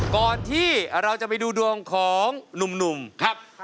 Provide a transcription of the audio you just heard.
ก่อนที่เราจะไปดูดวงของหนุ่มครับ